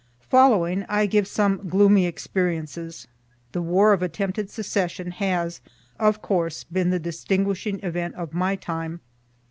Following, I give some gloomy experiences. The war of attempted secession has, of course, been the distinguishing event of my time.